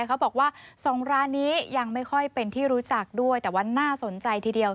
เขาบอกว่าสองร้านนี้ยังไม่ค่อยเป็นที่รู้จักด้วยแต่ว่าน่าสนใจทีเดียว